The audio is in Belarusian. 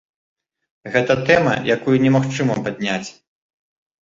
Гэта тэма, якую немагчыма падняць.